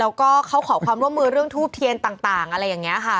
แล้วก็เขาขอความร่วมมือเรื่องทูบเทียนต่างอะไรอย่างนี้ค่ะ